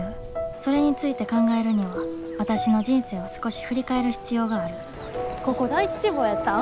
それについて考えるにはわたしの人生を少し振り返る必要があるここ第一志望やったん？